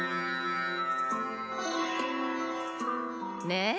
ねえ？